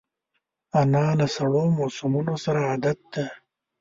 انا له سړو موسمونو سره عادت ده